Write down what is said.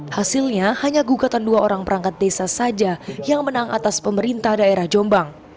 hasilnya hanya gugatan dua orang perangkat desa saja yang menang atas pemerintah daerah jombang